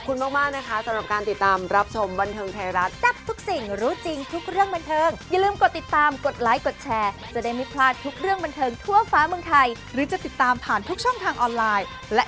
ก็ไปติดตามชมได้นะคะ